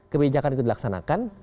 kebijakan itu dilaksanakan